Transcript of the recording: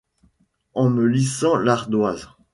En me laissant l’ardoise.